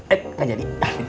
eh nggak jadi